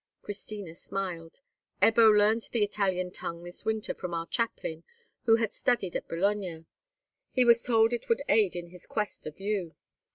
Christina smiled. "Ebbo learnt the Italian tongue this winter from our chaplain, who had studied at Bologna. He was told it would aid in his quest of you."